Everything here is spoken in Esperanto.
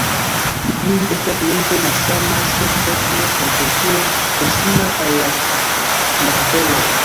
Ili estas lingve malsamaj sed etne kaj kulture proksimaj al la kartveloj.